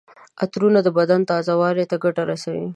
عطرونه د بدن تازه والي ته ګټه رسوي.